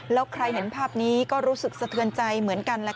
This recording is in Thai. แล้วใครเห็นภาพนี้ก็รู้สึกสะเทือนใจเหมือนกัน